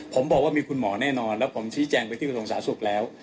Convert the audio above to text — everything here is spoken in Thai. ผมบอกว่ามีคุณหมอแน่นอนแล้วผมชี้แจงไปที่กระทรวงสาธารณสุขแล้ว